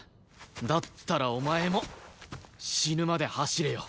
だったらお前も死ぬまで走れよ。